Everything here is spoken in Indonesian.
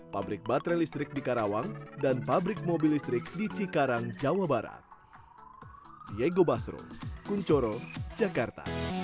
pabrik baterai listrik di karawang dan pabrik mobil listrik di cikarang jawa barat